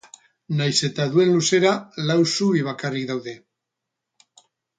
Nahiz eta duen luzera, lau zubi bakarrik daude.